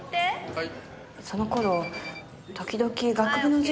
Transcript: はい。